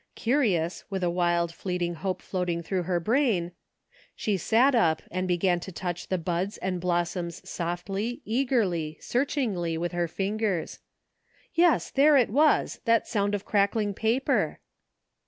Curious, with a wild fleeting hope floating through her brain, she sat up and began to touch the buds and blossoms softly, eagerly, searchingly with her fingers. Yes, there it was, that sound of crackling paper